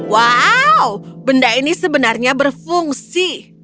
wow benda ini sebenarnya berfungsi